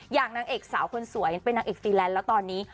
นางเอกสาวคนสวยเป็นนางเอกฟรีแลนด์แล้วตอนนี้